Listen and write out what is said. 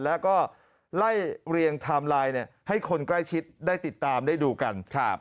แล้วก็ไล่เรียงไทม์ไลน์ให้คนใกล้ชิดได้ติดตามได้ดูกัน